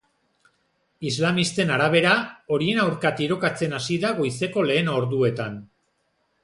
Islamisten arabera, horien aurka tirokatzen hasi da goizeko lehen orduetan.